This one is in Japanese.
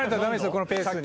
このペースに。